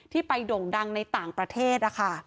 ที่ไปด่งดังในต่างประเทศ